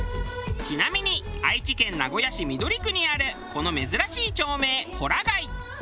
ちなみに愛知県名古屋市緑区にあるこの珍しい町名ほら貝。